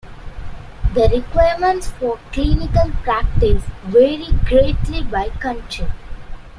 The requirements for clinical practice vary greatly by country.